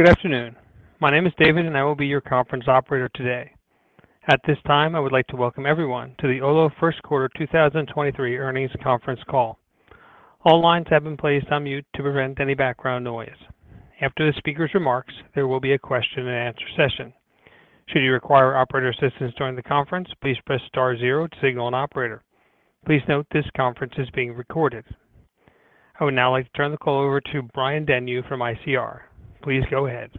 Good afternoon. My name is David. I will be your conference operator today. At this time, I would like to welcome everyone to the Olo first quarter 2023 earnings conference call. All lines have been placed on mute to prevent any background noise. After the speaker's remarks, there will be a question and answer session. Should you require operator assistance during the conference, please press star zero to signal an operator. Please note this conference is being recorded. I would now like to turn the call over to Brian Denyeau from ICR. Please go ahead.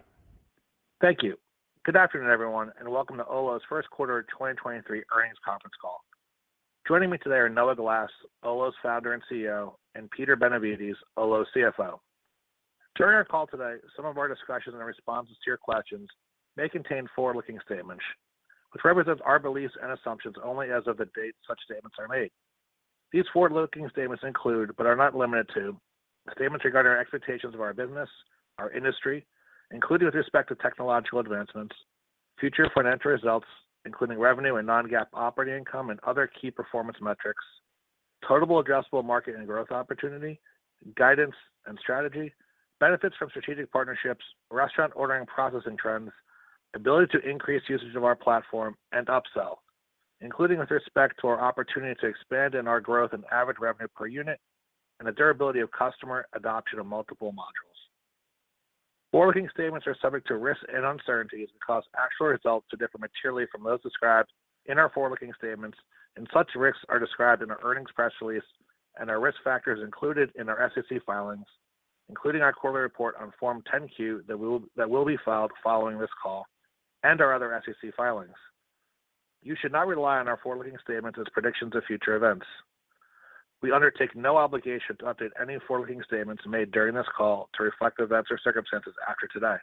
Thank you. Good afternoon, everyone, and welcome to Olo's first quarter 2023 earnings conference call. Joining me today are Noah Glass, Olo's founder and CEO, and Peter Benevides, Olo's CFO. During our call today, some of our discussions in responses to your questions may contain forward-looking statements, which represents our beliefs and assumptions only as of the date such statements are made. These forward-looking statements include, but are not limited to, statements regarding our expectations of our business, our industry, including with respect to technological advancements, future financial results, including revenue and non-GAAP operating income and other key performance metrics, total addressable market and growth opportunity, guidance and strategy, benefits from strategic partnerships, restaurant ordering processing trends, ability to increase usage of our platform and upsell, including with respect to our opportunity to expand in our growth and average revenue per unit, and the durability of customer adoption of multiple modules. Forward-looking statements are subject to risks and uncertainties and cause actual results to differ materially from those described in our forward-looking statements, and such risks are described in our earnings press release and our risk factors included in our SEC filings, including our quarterly report on Form 10-Q that will be filed following this call and our other SEC filings. You should not rely on our forward-looking statements as predictions of future events. We undertake no obligation to update any forward-looking statements made during this call to reflect events or circumstances after today.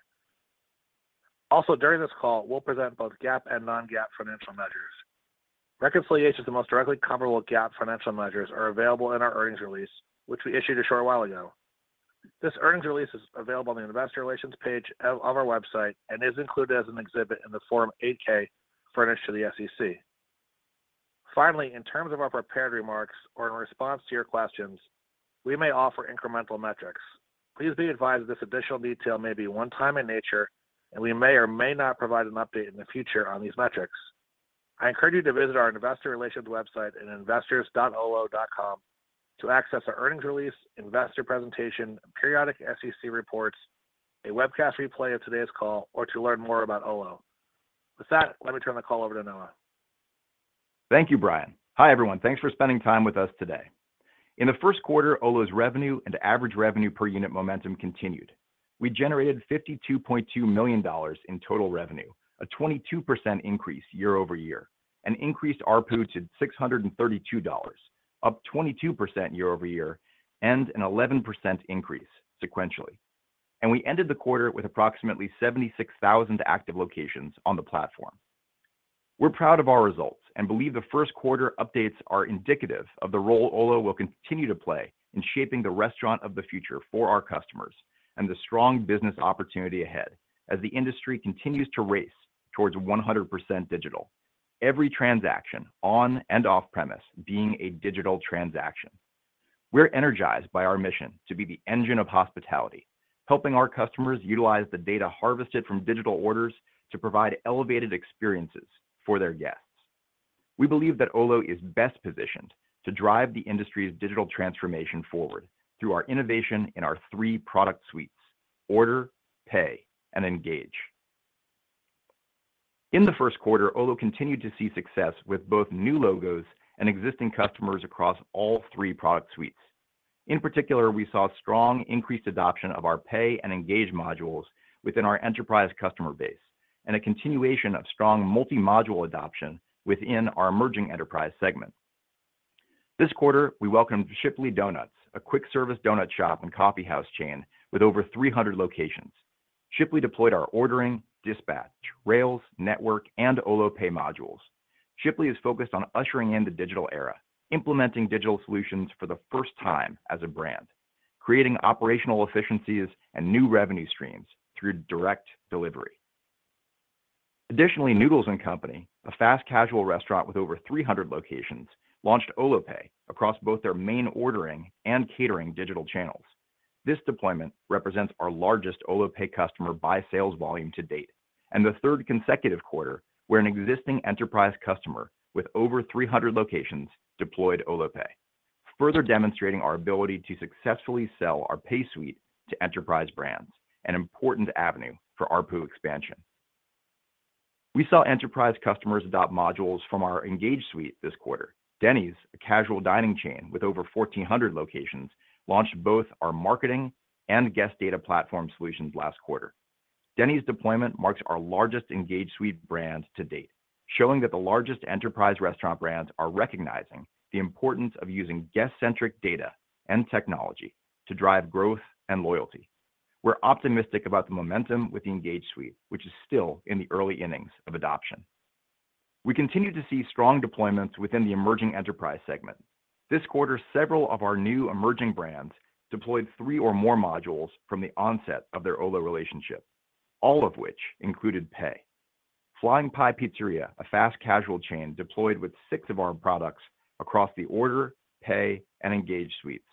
During this call, we'll present both GAAP and non-GAAP financial measures. Reconciliations of the most directly comparable GAAP financial measures are available in our earnings release, which we issued a short while ago. This earnings release is available on the investor relations page on our website and is included as an exhibit in the Form 8-K furnished to the SEC. In terms of our prepared remarks or in response to your questions, we may offer incremental metrics. Please be advised this additional detail may be one-time in nature, and we may or may not provide an update in the future on these metrics. I encourage you to visit our investor relations website at investors.olo.com to access our earnings release, investor presentation, periodic SEC reports, a webcast replay of today's call, or to learn more about Olo. Let me turn the call over to Noah. Thank you, Brian. Hi, everyone. Thanks for spending time with us today. In the first quarter, Olo's revenue and average revenue per unit momentum continued. We generated $52.2 million in total revenue, a 22% increase year-over-year, an increased ARPU to $632, up 22% year-over-year, and an 11% increase sequentially. We ended the quarter with approximately 76,000 active locations on the platform. We're proud of our results and believe the first quarter updates are indicative of the role Olo will continue to play in shaping the restaurant of the future for our customers and the strong business opportunity ahead as the industry continues to race towards 100% digital, every transaction on- and off-premise being a digital transaction. We're energized by our mission to be the engine of hospitality, helping our customers utilize the data harvested from digital orders to provide elevated experiences for their guests. We believe that Olo is best positioned to drive the industry's digital transformation forward through our innovation in our 3 product suites: Order, Pay, and Engage. In the first quarter, Olo continued to see success with both new logos and existing customers across all 3 product suites. In particular, we saw strong increased adoption of our Pay and Engage modules within our enterprise customer base and a continuation of strong multi-module adoption within our emerging enterprise segment. This quarter, we welcomed Shipley Do-Nuts, a quick service donut shop and coffee house chain with over 300 locations. Shipley deployed our Ordering, Dispatch, Rails, Network, and Olo Pay modules. Shipley is focused on ushering in the digital era, implementing digital solutions for the first time as a brand, creating operational efficiencies and new revenue streams through direct delivery. Noodles & Company, a fast-casual restaurant with over 300 locations, launched Olo Pay across both their main ordering and catering digital channels. This deployment represents our largest Olo Pay customer by sales volume to date, and the third consecutive quarter where an existing enterprise customer with over 300 locations deployed Olo Pay, further demonstrating our ability to successfully sell our pay suite to enterprise brands, an important avenue for ARPU expansion. We saw enterprise customers adopt modules from our Engage Suite this quarter. Denny's, a casual dining chain with over 1,400 locations, launched both our marketing and Guest Data Platform solutions last quarter. Denny's deployment marks our largest Engage Suite brand to date, showing that the largest enterprise restaurant brands are recognizing the importance of using guest-centric data and technology to drive growth and loyalty. We're optimistic about the momentum with the Engage Suite, which is still in the early innings of adoption. We continue to see strong deployments within the emerging enterprise segment. This quarter, several of our new emerging brands deployed 3 or more modules from the onset of their Olo relationship, all of which included Pay. Flying Pie Pizzeria, a fast casual chain deployed with 6 of our products across the Order, Pay, and Engage suites.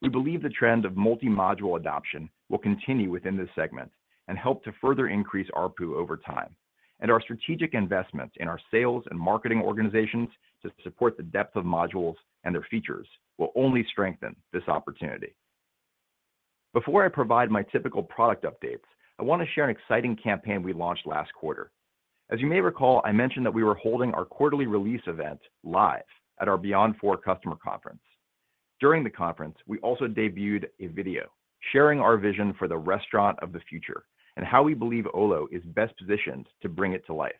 We believe the trend of multi-module adoption will continue within this segment and help to further increase ARPU over time. Our strategic investments in our sales and marketing organizations to support the depth of modules and their features will only strengthen this opportunity. Before I provide my typical product updates, I want to share an exciting campaign we launched last quarter. As you may recall, I mentioned that we were holding our quarterly release event live at our Beyond4 customer conference. During the conference, we also debuted a video sharing our vision for the restaurant of the future and how we believe Olo is best positioned to bring it to life.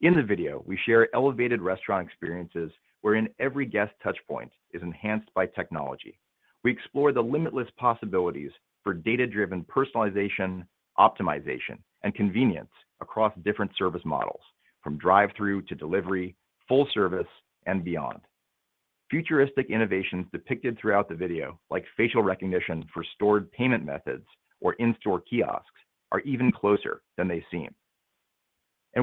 In the video, we share elevated restaurant experiences wherein every guest touch point is enhanced by technology. We explore the limitless possibilities for data-driven personalization, optimization, and convenience across different service models, from drive-through to delivery, full service, and beyond. Futuristic innovations depicted throughout the video, like facial recognition for stored payment methods or in-store kiosks, are even closer than they seem.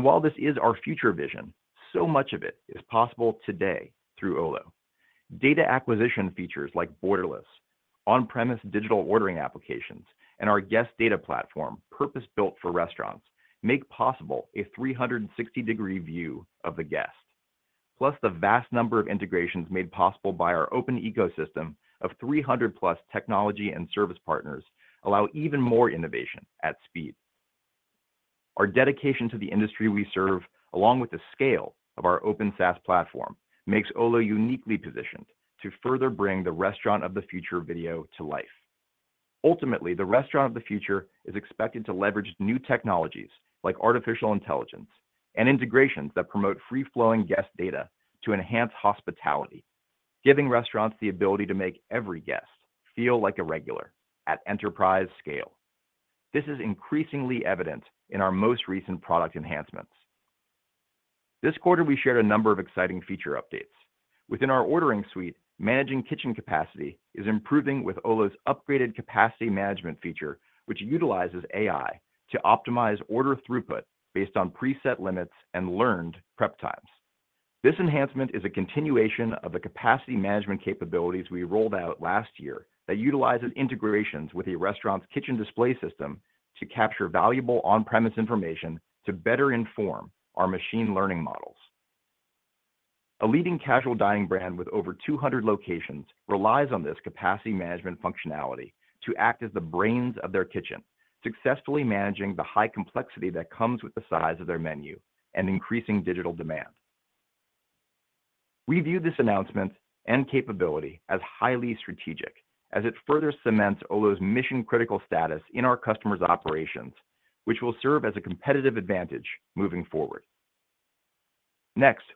While this is our future vision, so much of it is possible today through Olo. Data acquisition features like Borderless, on-premise digital ordering applications, and our Guest Data Platform, purpose-built for restaurants, make possible a 360-degree view of the guest. The vast number of integrations made possible by our open ecosystem of 300+ technology and service partners allow even more innovation at speed. Our dedication to the industry we serve, along with the scale of our open SaaS platform, makes Olo uniquely positioned to further bring the restaurant of the future video to life. Ultimately, the restaurant of the future is expected to leverage new technologies like artificial intelligence and integrations that promote free-flowing guest data to enhance hospitality, giving restaurants the ability to make every guest feel like a regular at enterprise scale. This is increasingly evident in our most recent product enhancements. This quarter, we shared a number of exciting feature updates. Within our Ordering suite, managing kitchen capacity is improving with Olo's upgraded capacity management feature, which utilizes AI to optimize order throughput based on preset limits and learned prep times. This enhancement is a continuation of the capacity management capabilities we rolled out last year that utilizes integrations with a restaurant's kitchen display system to capture valuable on-premise information to better inform our machine learning models. A leading casual dining brand with over 200 locations relies on this capacity management functionality to act as the brains of their kitchen, successfully managing the high complexity that comes with the size of their menu and increasing digital demand. We view this announcement and capability as highly strategic as it further cements Olo's mission-critical status in our customers' operations, which will serve as a competitive advantage moving forward.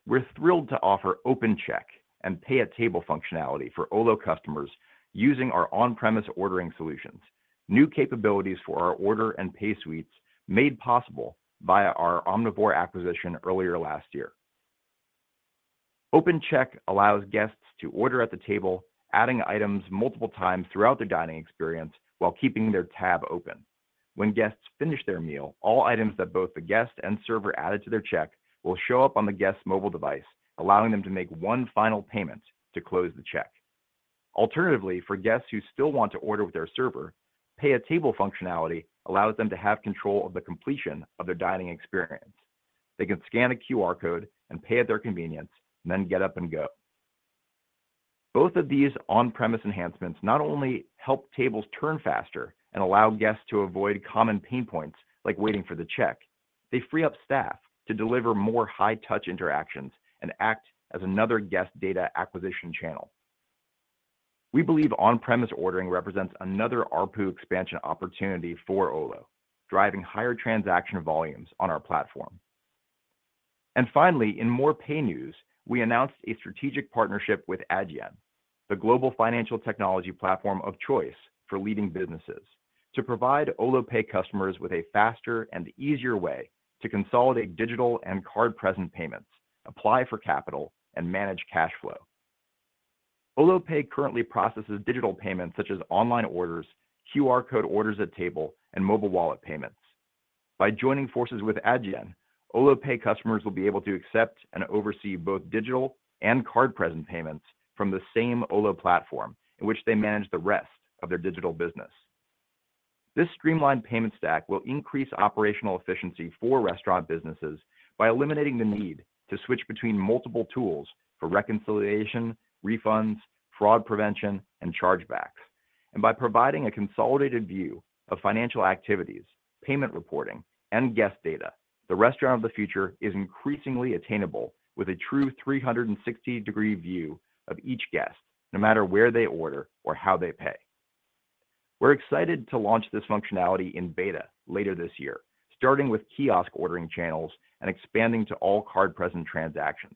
We're thrilled to offer Open Check and Pay at Table functionality for Olo customers using our on-premise ordering solutions, new capabilities for our order and pay suites made possible via our Omnivore acquisition earlier last year. Open Check allows guests to order at the table, adding items multiple times throughout their dining experience while keeping their tab open. When guests finish their meal, all items that both the guest and server added to their check will show up on the guest's mobile device, allowing them to make one final payment to close the check. For guests who still want to order with their server, Pay at Table functionality allows them to have control of the completion of their dining experience. They can scan a QR code and pay at their convenience, and then get up and go. Both of these on-premise enhancements not only help tables turn faster and allow guests to avoid common pain points like waiting for the check, they free up staff to deliver more high-touch interactions and act as another guest data acquisition channel. We believe on-premise ordering represents another ARPU expansion opportunity for Olo, driving higher transaction volumes on our platform. Finally, in more pay news, we announced a strategic partnership with Adyen, the global financial technology platform of choice for leading businesses, to provide Olo Pay customers with a faster and easier way to consolidate digital and card-present payments, apply for capital, and manage cash flow. Olo Pay currently processes digital payments such as online orders, QR code orders at table, and mobile wallet payments. By joining forces with Adyen, Olo Pay customers will be able to accept and oversee both digital and card-present payments from the same Olo platform in which they manage the rest of their digital business. This streamlined payment stack will increase operational efficiency for restaurant businesses by eliminating the need to switch between multiple tools for reconciliation, refunds, fraud prevention, and chargebacks. By providing a consolidated view of financial activities, payment reporting, and guest data, the restaurant of the future is increasingly attainable with a true 360 degree view of each guest, no matter where they order or how they pay. We're excited to launch this functionality in beta later this year, starting with kiosk ordering channels and expanding to all card-present transactions.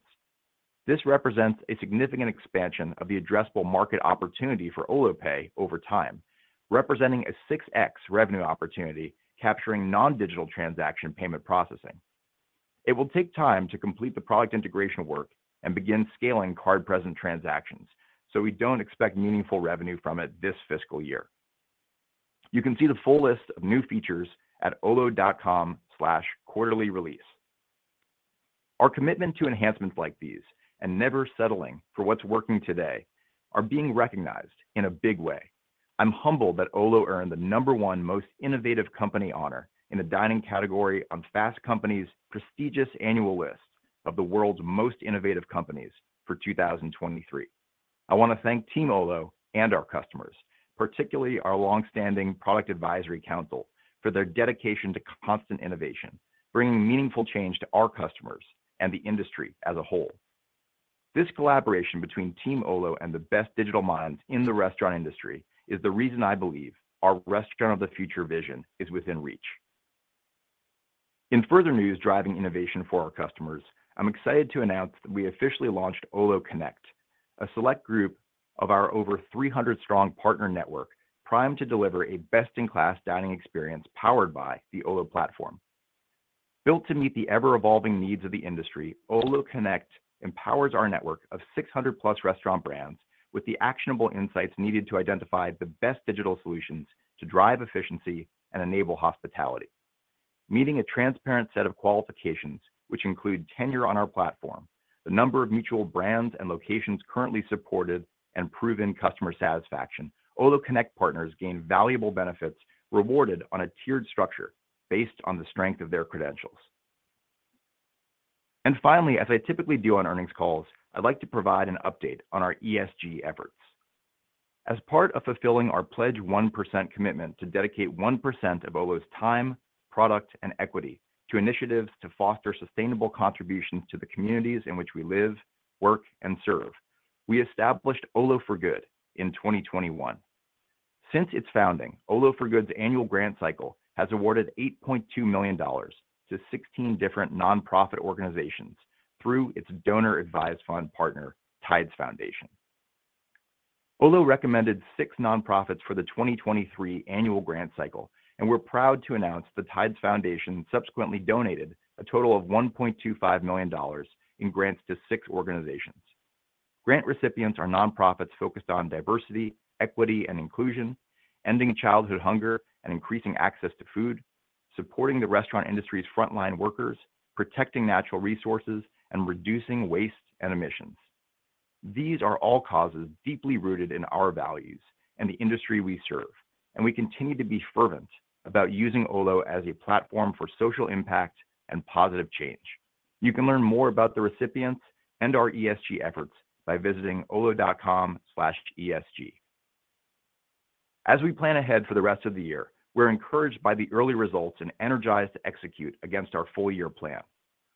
This represents a significant expansion of the addressable market opportunity for Olo Pay over time, representing a 6x revenue opportunity capturing card-not-present transaction payment processing. We don't expect meaningful revenue from it this fiscal year. You can see the full list of new features at olo.com/quarterlyrelease. Our commitment to enhancements like these and never settling for what's working today are being recognized in a big way. I'm humbled that Olo earned the number one most innovative company honor in the dining category on Fast Company's prestigious annual list of the world's most innovative companies for 2023. I want to thank Team Olo and our customers, particularly our long-standing product advisory council, for their dedication to constant innovation, bringing meaningful change to our customers and the industry as a whole. This collaboration between Team Olo and the best digital minds in the restaurant industry is the reason I believe our restaurant of the future vision is within reach. In further news driving innovation for our customers, I'm excited to announce that we officially launched Olo Connect, a select group of our over 300 strong partner network primed to deliver a best-in-class dining experience powered by the Olo platform. Built to meet the ever-evolving needs of the industry, Olo Connect empowers our network of 600+ restaurant brands with the actionable insights needed to identify the best digital solutions to drive efficiency and enable hospitality. Meeting a transparent set of qualifications, which include tenure on our platform, the number of mutual brands and locations currently supported, and proven customer satisfaction, Olo Connect partners gain valuable benefits rewarded on a tiered structure based on the strength of their credentials. Finally, as I typically do on earnings calls, I'd like to provide an update on our ESG efforts. As part of fulfilling our Pledge 1% commitment to dedicate 1% of Olo's time, product, and equity to initiatives to foster sustainable contributions to the communities in which we live, work, and serve, we established Olo For Good in 2021. Since its founding, Olo For Good's annual grant cycle has awarded $8.2 million to 16 different nonprofit organizations through its donor-advised fund partner, Tides Foundation. Olo recommended six nonprofits for the 2023 annual grant cycle, and we're proud to announce that Tides Foundation subsequently donated a total of $1.25 million in grants to six organizations. Grant recipients are nonprofits focused on diversity, equity, and inclusion, ending childhood hunger and increasing access to food, supporting the restaurant industry's frontline workers, protecting natural resources, and reducing waste and emissions. These are all causes deeply rooted in our values and the industry we serve. We continue to be fervent about using Olo as a platform for social impact and positive change. You can learn more about the recipients and our ESG efforts by visiting olo.com/esg. As we plan ahead for the rest of the year, we're encouraged by the early results and energized to execute against our full-year plan.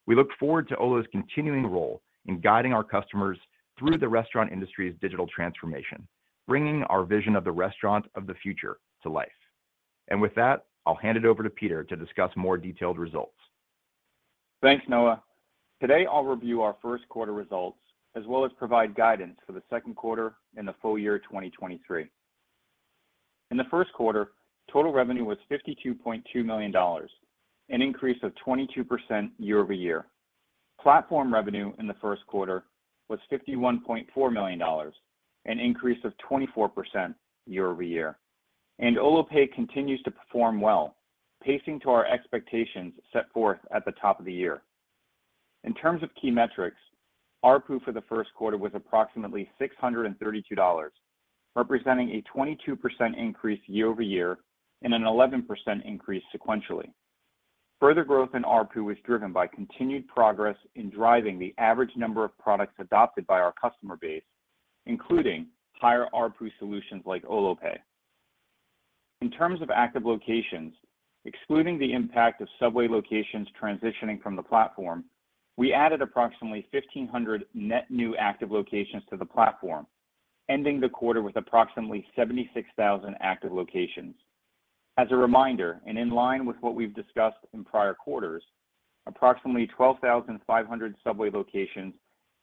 We look forward to Olo's continuing role in guiding our customers through the restaurant industry's digital transformation, bringing our vision of the restaurant of the future to life. With that, I'll hand it over to Peter to discuss more detailed results. Thanks, Noah. Today, I'll review our first quarter results as well as provide guidance for the second quarter and the full year 2023. In the first quarter, total revenue was $52.2 million, an increase of 22% year-over-year. Platform revenue in the first quarter was $51.4 million, an increase of 24% year-over-year. Olo Pay continues to perform well, pacing to our expectations set forth at the top of the year. In terms of key metrics, ARPU for the first quarter was approximately $632, representing a 22% increase year-over-year and an 11% increase sequentially. Further growth in ARPU was driven by continued progress in driving the average number of products adopted by our customer base, including higher ARPU solutions like Olo Pay. In terms of active locations, excluding the impact of Subway locations transitioning from the platform, we added approximately 1,500 net new active locations to the platform, ending the quarter with approximately 76,000 active locations. As a reminder, and in line with what we've discussed in prior quarters, approximately 12,500 Subway locations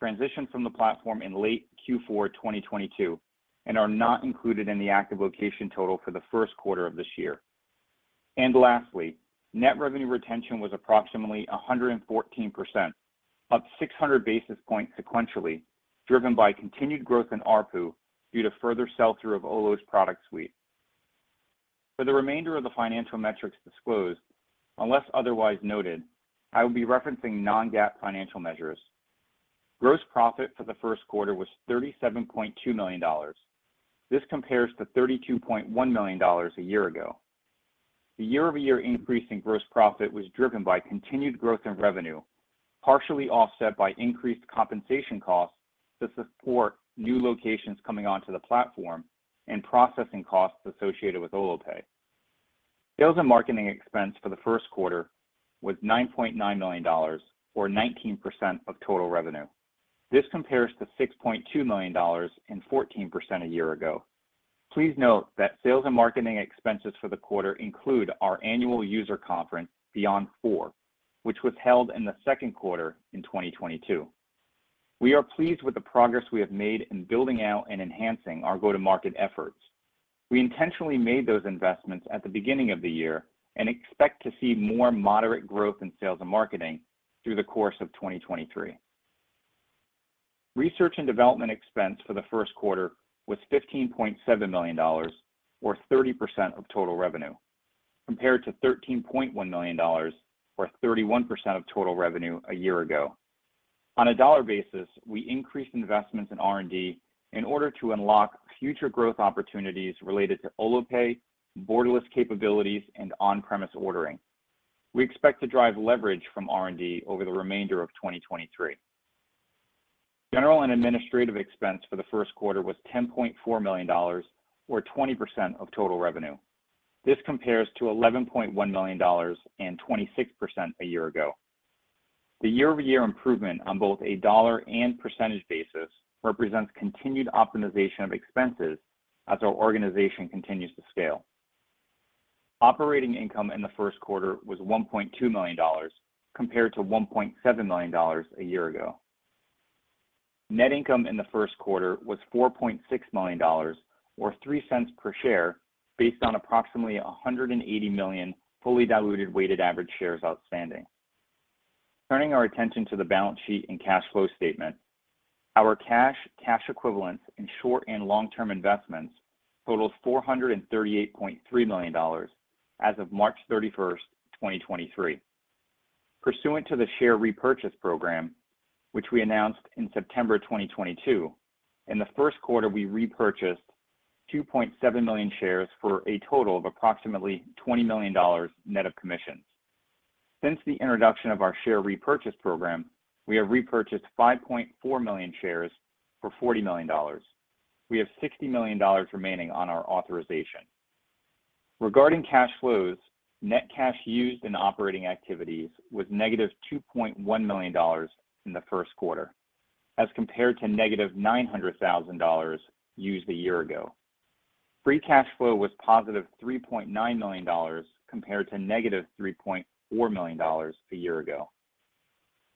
transitioned from the platform in late Q4 2022 and are not included in the active location total for the first quarter of this year. Lastly, net revenue retention was approximately 114%, up 600 basis points sequentially, driven by continued growth in ARPU due to further sell-through of Olo's product suite. For the remainder of the financial metrics disclosed, unless otherwise noted, I will be referencing non-GAAP financial measures. Gross profit for the first quarter was $37.2 million. This compares to $32.1 million a year ago. The year-over-year increase in gross profit was driven by continued growth in revenue, partially offset by increased compensation costs to support new locations coming onto the platform and processing costs associated with Olo Pay. Sales and marketing expense for the first quarter was $9.9 million, or 19% of total revenue. This compares to $6.2 million and 14% a year ago. Please note that sales and marketing expenses for the quarter include our annual user conference, Beyond4, which was held in the second quarter in 2022. We are pleased with the progress we have made in building out and enhancing our go-to-market efforts. We intentionally made those investments at the beginning of the year and expect to see more moderate growth in sales and marketing through the course of 2023. Research and development expense for the first quarter was $15.7 million, or 30% of total revenue, compared to $13.1 million, or 31% of total revenue a year ago. On a dollar basis, we increased investments in R&D in order to unlock future growth opportunities related to Olo Pay, Borderless capabilities, and on-premise ordering. We expect to drive leverage from R&D over the remainder of 2023. General and administrative expense for the first quarter was $10.4 million, or 20% of total revenue. This compares to $11.1 million and 26% a year ago. The year-over-year improvement on both a dollar and % basis represents continued optimization of expenses as our organization continues to scale. Operating income in the first quarter was $1.2 million compared to $1.7 million a year ago. Net income in the first quarter was $4.6 million or $0.03 per share based on approximately 180 million fully diluted weighted average shares outstanding. Turning our attention to the balance sheet and cash flow statement. Our cash equivalents, and short and long-term investments totaled $438.3 million as of March 31st, 2023. Pursuant to the share repurchase program, which we announced in September 2022, in the first quarter, we repurchased 2.7 million shares for a total of approximately $20 million net of commissions. Since the introduction of our share repurchase program, we have repurchased 5.4 million shares for $40 million. We have $60 million remaining on our authorization. Regarding cash flows, net cash used in operating activities was -$2.1 million in the first quarter as compared to -$900,000 used a year ago. Free cash flow was positive $3.9 million compared to -$3.4 million a year ago.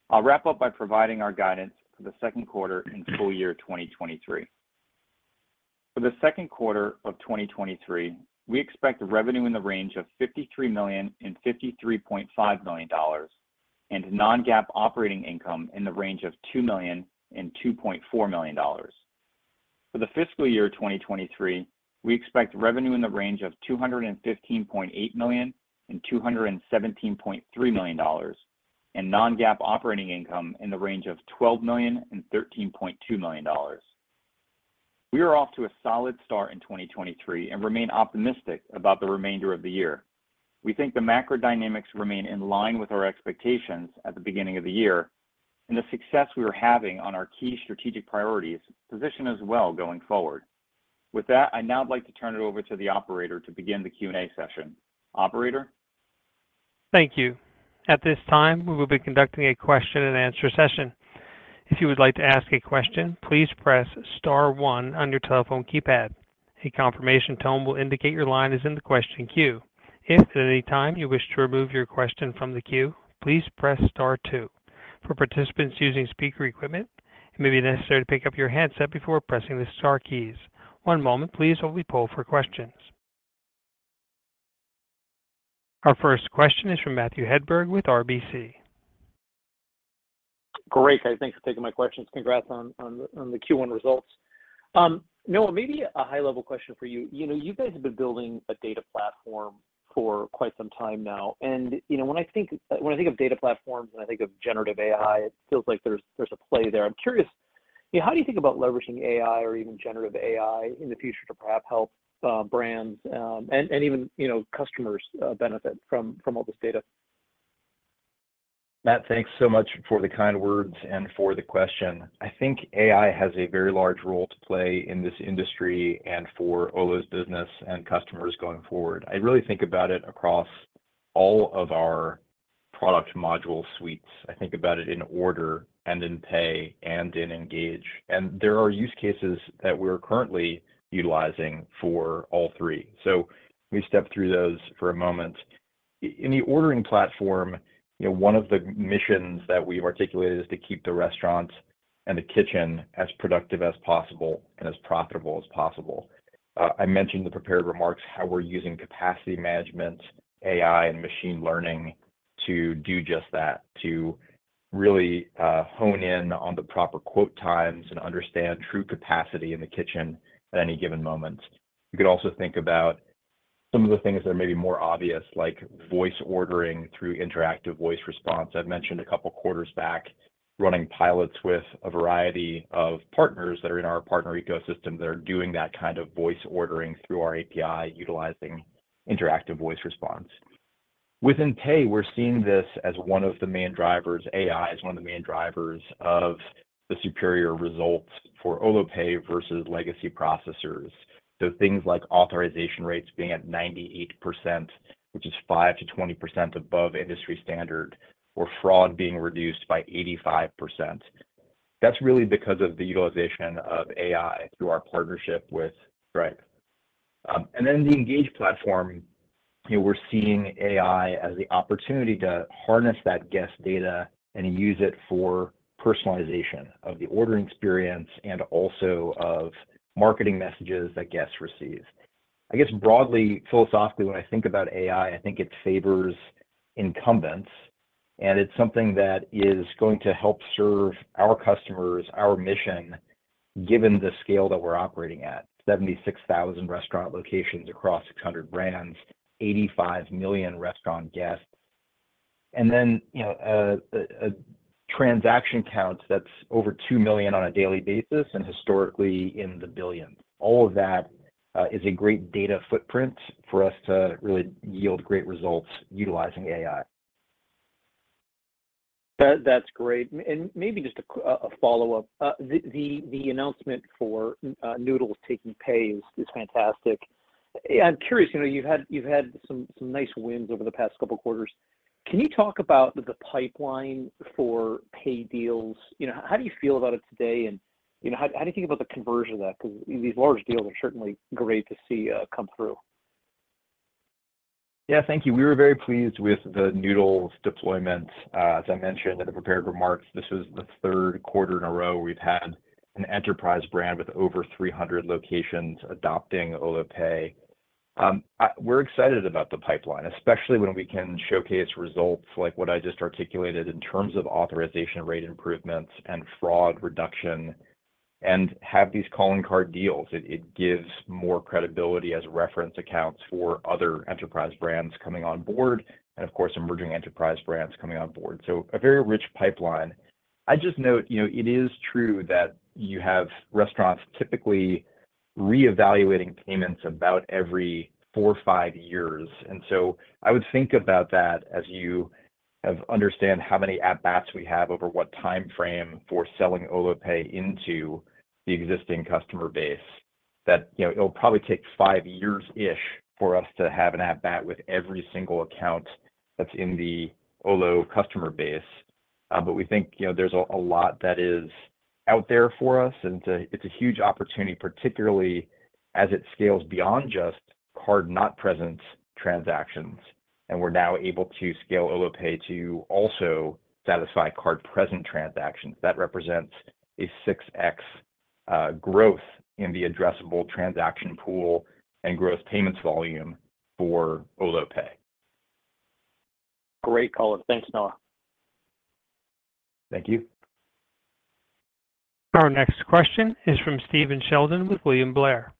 I'll wrap up by providing our guidance for the second quarter and full year 2023. For the second quarter of 2023, we expect revenue in the range of $53 million-$53.5 million and non-GAAP operating income in the range of $2 million-$2.4 million. For the fiscal year 2023, we expect revenue in the range of $215.8 million-$217.3 million and non-GAAP operating income in the range of $12 million-$13.2 million. We are off to a solid start in 2023 and remain optimistic about the remainder of the year. We think the macro dynamics remain in line with our expectations at the beginning of the year, and the success we are having on our key strategic priorities position us well going forward. I'd now like to turn it over to the operator to begin the Q&A session. Operator? Thank you. At this time, we will be conducting a question and answer session. If you would like to ask a question, please press star one on your telephone keypad. A confirmation tone will indicate your line is in the question queue. If at any time you wish to remove your question from the queue, please press star two. For participants using speaker equipment, it may be necessary to pick up your handset before pressing the star keys. One moment please while we poll for questions. Our first question is from Matthew Hedberg with RBC. Great. Thanks for taking my questions. Congrats on the Q1 results. Noah, maybe a high-level question for you. You know, you guys have been building a data platform for quite some time now. you know, when I think of data platforms and I think of generative AI, it feels like there's a play there. I'm curious, you know, how do you think about leveraging AI or even generative AI in the future to perhaps help brands and even, you know, customers benefit from all this data? Matt, thanks so much for the kind words and for the question. I think AI has a very large role to play in this industry and for Olo's business and customers going forward. I really think about it across all of our product module suites. I think about it in order and in pay and in engage. There are use cases that we're currently utilizing for all three. Let me step through those for a moment. In the ordering platform, you know, one of the missions that we've articulated is to keep the restaurant and the kitchen as productive as possible and as profitable as possible. I mentioned the prepared remarks, how we're using capacity management, AI, and machine learning to do just that, to really hone in on the proper quote times and understand true capacity in the kitchen at any given moment. You could also think about some of the things that are maybe more obvious, like voice ordering through interactive voice response. I've mentioned a couple quarters back running pilots with a variety of partners that are in our partner ecosystem that are doing that kind of voice ordering through our API, utilizing interactive voice response. Within Pay, we're seeing this as one of the main drivers, AI as one of the main drivers of the superior results for Olo Pay versus legacy processors. Things like authorization rates being at 98%, which is 5%-20% above industry standard, or fraud being reduced by 85%. That's really because of the utilization of AI through our partnership with Stripe. The Engage platform, you know, we're seeing AI as the opportunity to harness that guest data and use it for personalization of the ordering experience and also of marketing messages that guests receive. I guess broadly, philosophically, when I think about AI, I think it favors incumbents, and it's something that is going to help serve our customers, our mission, given the scale that we're operating at. 76,000 restaurant locations across 600 brands, 85 million restaurant guests. You know, a transaction count that's over 2 million on a daily basis, and historically in the billions. All of that is a great data footprint for us to really yield great results utilizing AI. That's great. Maybe just a follow-up. The announcement for Noodles taking pay is fantastic. I'm curious, you know, you've had some nice wins over the past couple quarters. Can you talk about the pipeline for pay deals? You know, how do you feel about it today, and, you know, how do you think about the conversion of that? 'Cause these large deals are certainly great to see come through. Yeah. Thank you. We were very pleased with the Noodles deployment. As I mentioned in the prepared remarks, this was the third quarter in a row we've had an enterprise brand with over 300 locations adopting Olo Pay. We're excited about the pipeline, especially when we can showcase results like what I just articulated in terms of authorization rate improvements and fraud reduction, and have these calling card deals. It gives more credibility as reference accounts for other enterprise brands coming on board, and of course, emerging enterprise brands coming on board. A very rich pipeline. I'd just note, you know, it is true that you have restaurants typically reevaluating payments about every 4 or 5 years. I would think about that as understand how many at-bats we have over what timeframe for selling Olo Pay into the existing customer base, that, you know, it'll probably take 5 years-ish for us to have an at-bat with every single account that's in the Olo customer base. But we think, you know, there's a lot that is out there for us, and it's a, it's a huge opportunity, particularly as it scales beyond just card-not-present transactions, and we're now able to scale Olo Pay to also satisfy card-present transactions. That represents a 6x growth in the addressable transaction pool and growth payments volume for Olo Pay. Great call. Thanks, Noah. Thank you. Our next question is from Steven Sheldon with William Blair.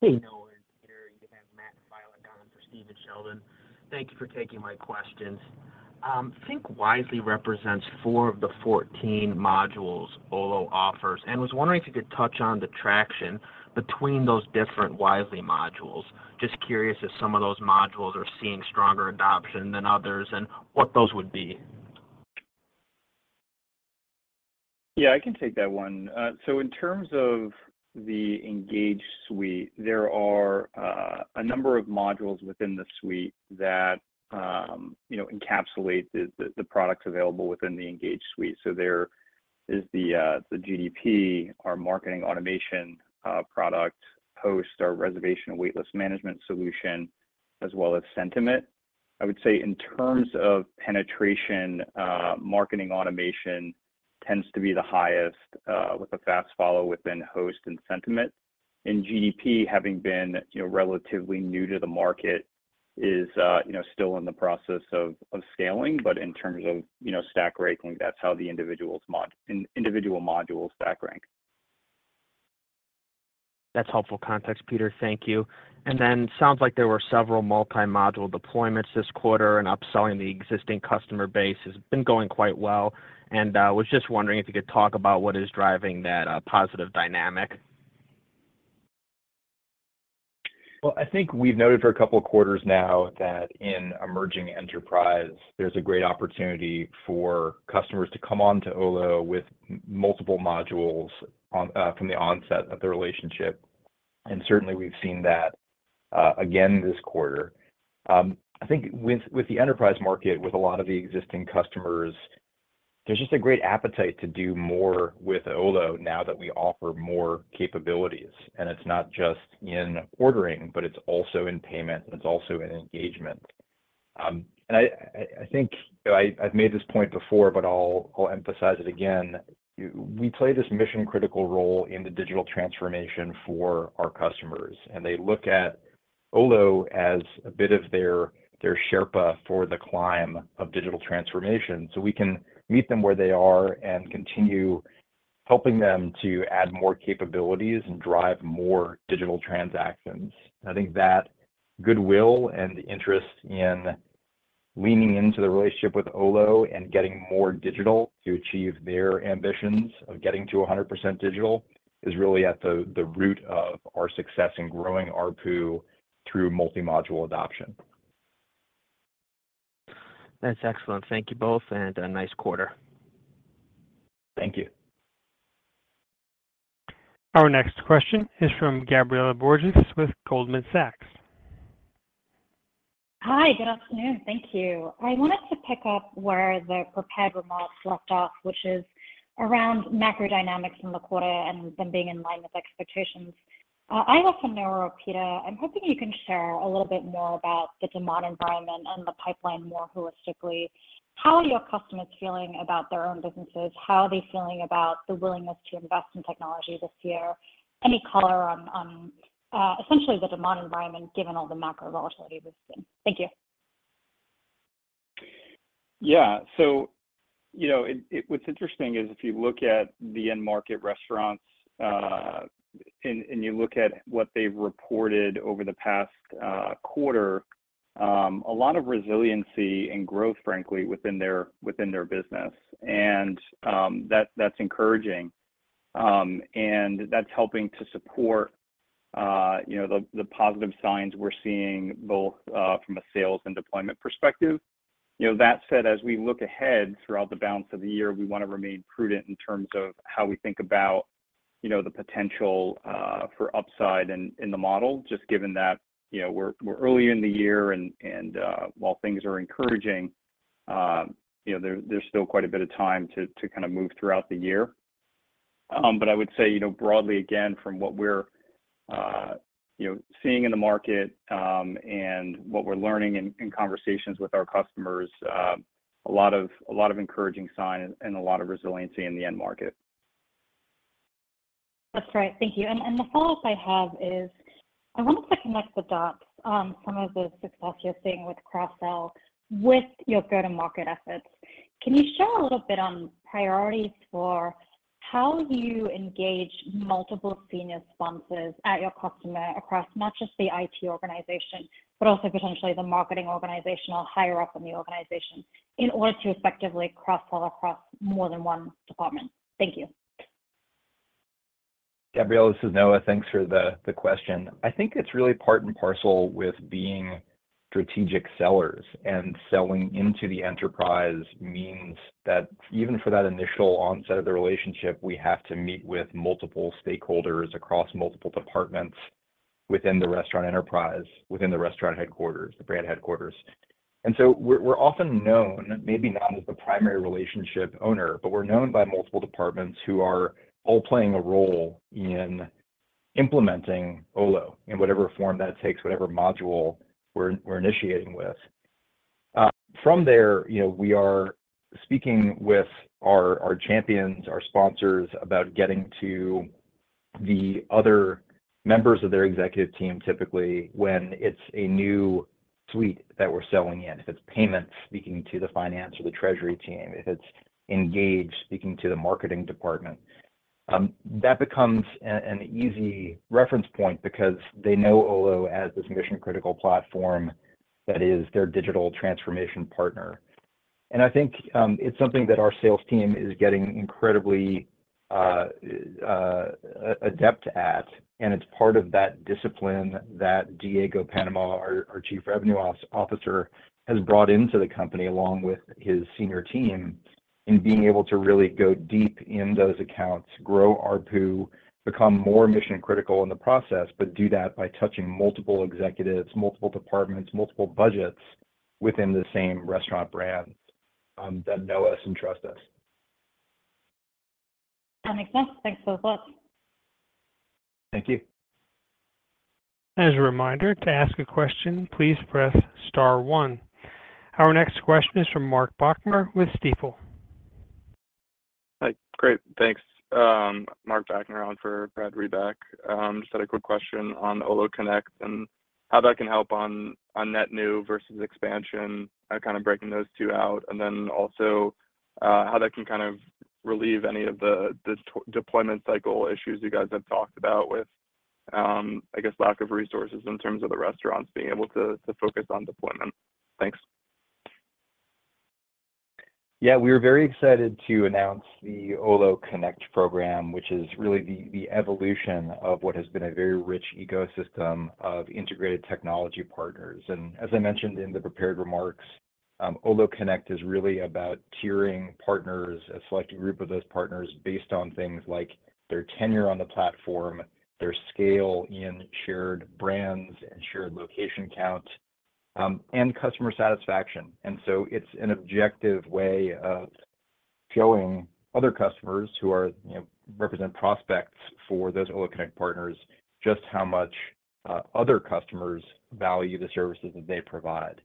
Hey, Noah and Peter. You have Matt Filak on for Steven Sheldon. Thank you for taking my questions. Think Wisely represents four of the 14 modules Olo offers. Was wondering if you could touch on the traction between those different Wisely modules. Just curious if some of those modules are seeing stronger adoption than others, and what those would be. Yeah, I can take that one. In terms of the Engage Suite, there are a number of modules within the Suite that, you know, encapsulate the products available within the Engage Suite. There is the GDP, our marketing automation product, Host, our reservation and waitlist management solution, as well as Sentiment. I would say in terms of penetration, marketing automation tends to be the highest, with a fast follow within Host and Sentiment. GDP having been, you know, relatively new to the market is, you know, still in the process of scaling. In terms of, you know, stack ranking, that's how the individual modules stack rank. That's helpful context, Peter. Thank you. Sounds like there were several multi-module deployments this quarter, and upselling the existing customer base has been going quite well. Was just wondering if you could talk about what is driving that positive dynamic. I think we've noted for a couple of quarters now that in emerging enterprise, there's a great opportunity for customers to come onto Olo with multiple modules on from the onset of the relationship, and certainly we've seen that again this quarter. I think with the enterprise market, with a lot of the existing customers, there's just a great appetite to do more with Olo now that we offer more capabilities. It's not just in Ordering, but it's also in payment, and it's also in engagement. I think, you know, I've made this point before, but I'll emphasize it again. We play this mission-critical role in the digital transformation for our customers, and they look at Olo as a bit of their Sherpa for the climb of digital transformation. We can meet them where they are and continue helping them to add more capabilities and drive more digital transactions. I think that goodwill and interest in leaning into the relationship with Olo and getting more digital to achieve their ambitions of getting to 100% digital is really at the root of our success in growing ARPU through multi-module adoption. That's excellent. Thank you both, and a nice quarter. Thank you. Our next question is from Gabriela Borges with Goldman Sachs. Hi. Good afternoon. Thank you. I wanted to pick up where the prepared remarks left off, which is around macro dynamics in the quarter and them being in line with expectations. Either from Noah or Peter, I'm hoping you can share a little bit more about the demand environment and the pipeline more holistically. How are your customers feeling about their own businesses? How are they feeling about the willingness to invest in technology this year? Any color on, essentially the demand environment given all the macro volatility we've seen? Thank you. You know, what's interesting is if you look at the end market restaurants, and you look at what they've reported over the past quarter, a lot of resiliency and growth, frankly, within their business. That's encouraging, and that's helping to support, you know, the positive signs we're seeing both from a sales and deployment perspective. You know, that said, as we look ahead throughout the balance of the year, we wanna remain prudent in terms of how we think about, you know, the potential for upside in the model, just given that, you know, we're early in the year and while things are encouraging, you know, there's still quite a bit of time to kinda move throughout the year. I would say, you know, broadly again, from what we're, you know, seeing in the market, and what we're learning in conversations with our customers, a lot of encouraging signs and a lot of resiliency in the end market. That's right. Thank you. The follow-up I have is, I wanted to connect the dots on some of the success you're seeing with cross-sell with your go-to-market efforts. Can you share a little bit on priorities for how you engage multiple senior sponsors at your customer across not just the IT organization, but also potentially the marketing organizational higher up in the organization in order to effectively cross-sell across more than one department? Thank you. Gabrielle, this is Noah. Thanks for the question. I think it's really part and parcel with being strategic sellers, selling into the enterprise means that even for that initial onset of the relationship, we have to meet with multiple stakeholders across multiple departments within the restaurant enterprise, within the restaurant headquarters, the brand headquarters. So we're often known, maybe not as the primary relationship owner, but we're known by multiple departments who are all playing a role in implementing Olo in whatever form that takes, whatever module we're initiating with. From there, you know, we are speaking with our champions, our sponsors about getting to the other members of their executive team, typically when it's a new suite that we're selling in. If it's payment, speaking to the finance or the treasury team. If it's Engage, speaking to the marketing department. That becomes an easy reference point because they know Olo as this mission-critical platform that is their digital transformation partner. I think it's something that our sales team is getting incredibly adept at, and it's part of that discipline that Diego Panama, our Chief Revenue Officer, has brought into the company, along with his senior team, in being able to really go deep in those accounts, grow ARPU, become more mission-critical in the process, but do that by touching multiple executives, multiple departments, multiple budgets within the same restaurant brands that know us and trust us. That makes sense. Thanks so much. Thank you. As a reminder, to ask a question, please press star one. Our next question is from Marc Bachner with Stifel. Hi. Great. Thanks. Marc Bachner on for Brad Reback. just had a quick question on Olo Connect and how that can help on net new versus expansion, kinda breaking those two out, and then also, how that can kind of relieve any of the deployment cycle issues you guys have talked about with, I guess, lack of resources in terms of the restaurants being able to focus on deployment. Thanks. We are very excited to announce the Olo Connect program, which is really the evolution of what has been a very rich ecosystem of integrated technology partners. As I mentioned in the prepared remarks, Olo Connect is really about tiering partners, a selected group of those partners based on things like their tenure on the platform, their scale in shared brands and shared location count, and customer satisfaction. It's an objective way of showing other customers who are, you know, represent prospects for those Olo Connect partners just how much other customers value the services that they provide.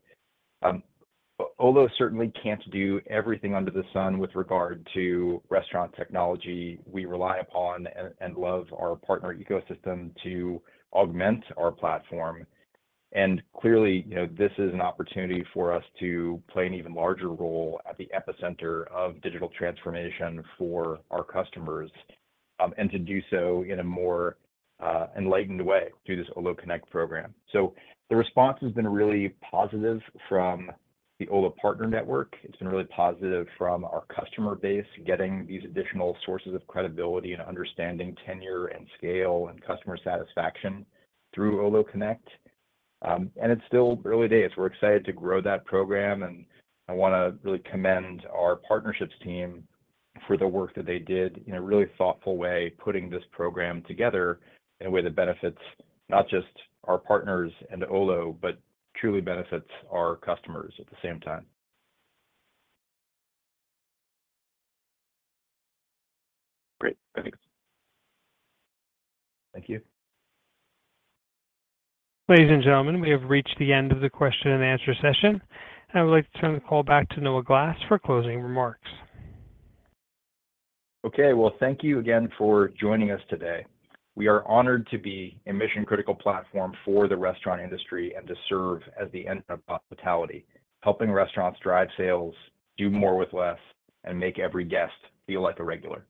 Olo certainly can't do everything under the sun with regard to restaurant technology. We rely upon and love our partner ecosystem to augment our platform. Clearly, you know, this is an opportunity for us to play an even larger role at the epicenter of digital transformation for our customers, and to do so in a more enlightened way through this Olo Connect program. The response has been really positive from the Olo partner network. It's been really positive from our customer base, getting these additional sources of credibility and understanding tenure and scale and customer satisfaction through Olo Connect. It's still early days. We're excited to grow that program, and I wanna really commend our partnerships team for the work that they did in a really thoughtful way, putting this program together in a way that benefits not just our partners and Olo, but truly benefits our customers at the same time. Great. Thanks. Thank you. Ladies and gentlemen, we have reached the end of the question and answer session. I would like to turn the call back to Noah Glass for closing remarks. Okay. Well, thank you again for joining us today. We are honored to be a mission-critical platform for the restaurant industry and to serve as the end of hospitality, helping restaurants drive sales, do more with less, and make every guest feel like a regular.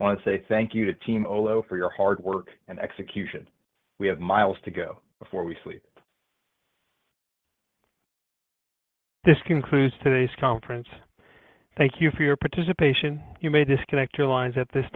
I wanna say thank you to Team Olo for your hard work and execution. We have miles to go before we sleep. This concludes today's conference. Thank you for your participation. You may disconnect your lines at this time.